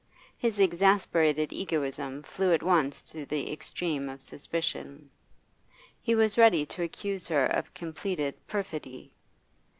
His exasperated egoism flew at once to the extreme of suspicion; he was ready to accuse her of completed perfidy.